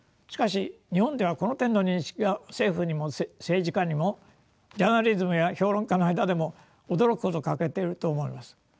しかし日本ではこの点の認識が政府にも政治家にもジャーナリズムや評論家の間でも驚くほど欠けていると思います。